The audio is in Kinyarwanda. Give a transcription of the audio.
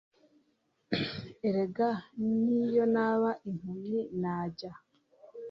erega niyo naba impumyi nanjya